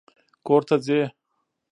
کور ته ځې!